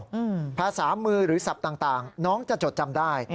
เทอมเดียวภาษามือหรือศัพท์ต่างน้องจะจดจำได้